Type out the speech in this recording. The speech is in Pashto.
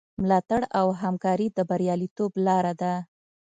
ملاتړ او همکاري د بریالیتوب لاره ده.